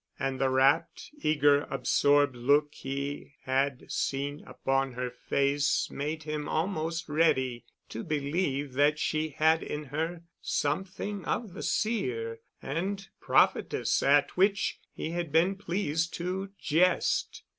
And the rapt, eager, absorbed look he had seen upon her face made him almost ready to believe that she had in her something of the seer and prophetess at which he had been pleased to jest.